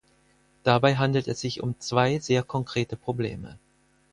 Dabei handelt es sich um zwei sehr konkrete Probleme.